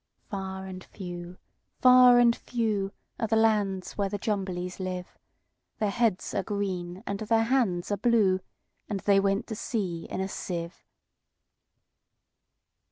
Far and few, far and few, Are the lands where the Jumblies live:Their heads are green, and their hands are blue; And they went to sea in a sieve.